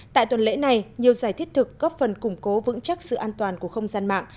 tại tuần lễ này nhiều giải thiết thực góp phần củng cố vững chắc sự an toàn của không gian mạng